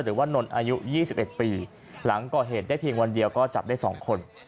หรือว่านนท์อายุยี่สิบเอ็ดปีหลังก่อเหตุได้เพียงวันเดียวก็จับได้สองคน